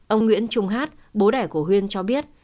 ông nguyễn trung hát bố đẻ của huyên cho biết